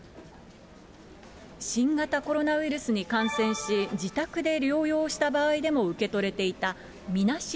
新型コロナウイルスに感染し、自宅で療養した場合でも受け取れていたみなし